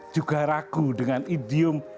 juga ragu dengan idiom